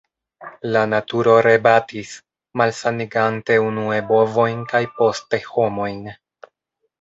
La “naturo rebatis, malsanigante unue bovojn kaj poste homojn.